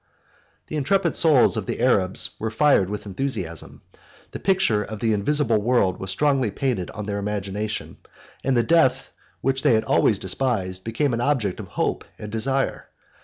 The intrepid souls of the Arabs were fired with enthusiasm: the picture of the invisible world was strongly painted on their imagination; and the death which they had always despised became an object of hope and desire.